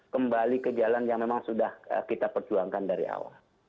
kembali ke jalan yang memang sudah kita perjuangkan dari awal